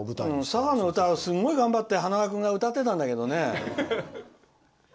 佐賀の歌、すごい頑張ってはなわ君が歌ってたんだけどね。